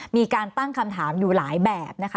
มีการตั้งคำถามอยู่หลายแบบนะคะ